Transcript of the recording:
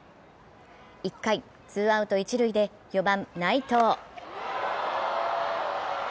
１回、ツーアウト、一塁で４番・内藤。